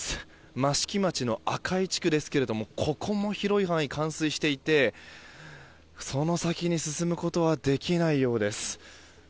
益城町のアカイ地区ですけれどもここも広い範囲、冠水していてその先に進むことはできないようです。